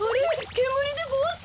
けむりでごわす。